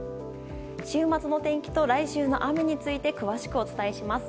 週末の天気と来週の雨について詳しくお伝えします。